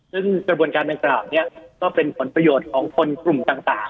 ซึ่งกระบวนการดังกล่าวนี้ก็เป็นผลประโยชน์ของคนกลุ่มต่าง